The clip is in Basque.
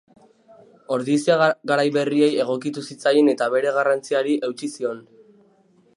Ordizia garai berriei egokitu zitzaien, eta bere garrantziari eutsi zion.